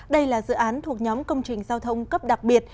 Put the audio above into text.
đây là dự án thuộc nhóm công trình giao thông cấp đặc biệt